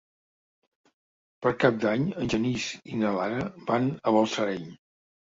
Per Cap d'Any en Genís i na Lara van a Balsareny.